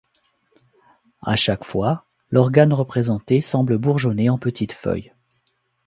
À chaque fois, l'organe représenté semble bourgeonner en petites feuilles.